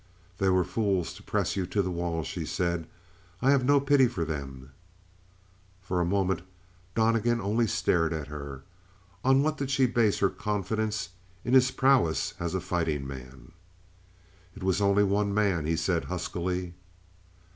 "They were fools to press you to the wall," she said. "I have no pity for them." For a moment Donnegan only stared at her; on what did she base her confidence in his prowess as a fighting man? "It was only one man," he said huskily.